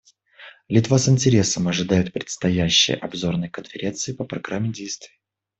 Литва с интересом ожидает предстоящей Обзорной конференции по программе действий.